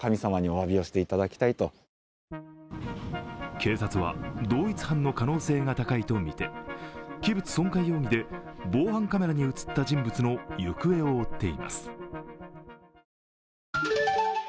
警察は同一犯の可能性が高いとみて器物損壊容疑で防犯カメラに映った人物の行方を追っています。